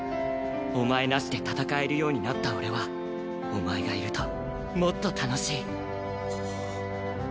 お前なしで戦えるようになった俺はお前がいるともっと楽しい。